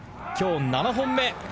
今日７本目。